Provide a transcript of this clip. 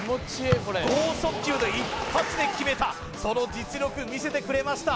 剛速球で一発で決めたその実力見せてくれました